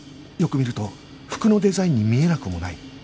よく見ると服のデザインに見えなくもない